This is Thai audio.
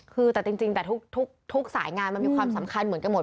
คือแต่จริงแต่ทุกสายงานมันมีความสำคัญเหมือนกันหมด